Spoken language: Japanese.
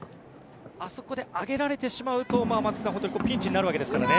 あそこで上げられてしまうとピンチになってしまうわけですからね。